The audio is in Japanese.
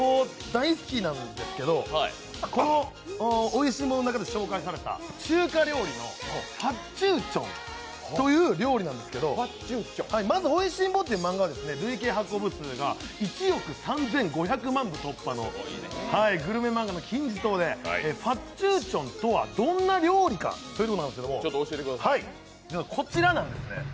大好きなんですけど、この「美味しんぼ」の中で紹介された中華料理のファッチューチョンというものなんですけれども、まず「美味しんぼ」という漫画は累計発行部数が１億３５００万部を突破のグルメ漫画の金字塔でファッチューチョンとはどんな料理かということなんですが、こちらなんですね。